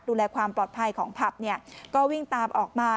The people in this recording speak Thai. ดูแลความปลอดภัยของผับเนี่ยก็วิ่งตามออกมา